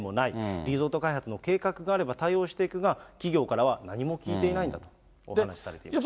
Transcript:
リゾート開発の計画があれば対応していくが、企業からは何も聞いていないんだとお話しされていました。